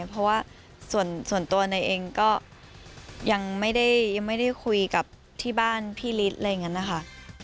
เพราะว่าส่วนตัวในเองก็ยังไม่ได้คุยกับที่บ้านพี่ริชค่ะ